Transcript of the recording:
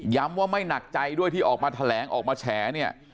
ว่าไม่หนักใจด้วยที่ออกมาแถลงออกมาแฉเนี่ย